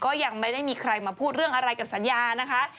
ก็ยังไม่ได้มีใครมาพูดเรื่องอะไรกับสัญญานะคะ